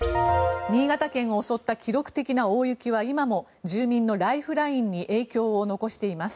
新潟県を襲った記録的な大雪は今も住民のライフラインに影響を残しています。